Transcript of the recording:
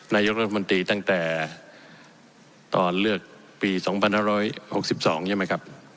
นายกรัฐมนตรีตั้งแต่ตอนเลือกปีสองพันห้าร้อยหกสิบสองใช่ไหมครับ